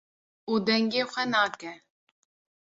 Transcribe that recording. û dengê xwe nake.